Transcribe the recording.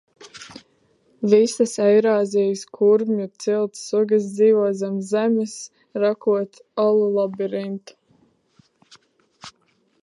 Visas Eirāzijas kurmju cilts sugas dzīvo zem zemes, rokot alu labirintu.